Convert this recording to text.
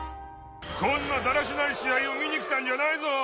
こんなだらしない試合を見に来たんじゃないぞ！